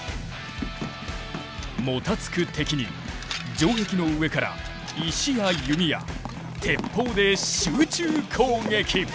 もたつく敵に城壁の上から石や弓矢鉄砲で集中攻撃！